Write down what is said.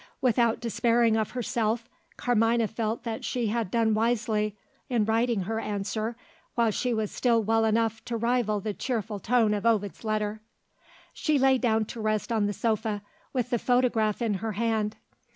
Without despairing of herself, Carmina felt that she had done wisely in writing her answer, while she was still well enough to rival the cheerful tone of Ovid's letter. She laid down to rest on the sofa, with the photograph in her hand.